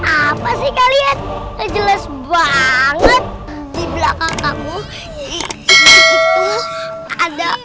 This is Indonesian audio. apa sih kalian jelas banget di belakang kamu itu ada